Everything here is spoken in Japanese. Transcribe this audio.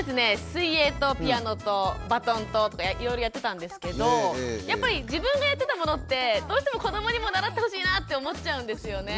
水泳とピアノとバトンといろいろやってたんですけどやっぱり自分がやってたものってどうしても子どもにも習ってほしいなって思っちゃうんですよね。